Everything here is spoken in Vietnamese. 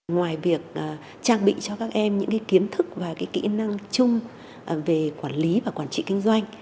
ngoài việc trang bị cho các em những kiến thức và kỹ năng chung về quản lý và quản trị kinh doanh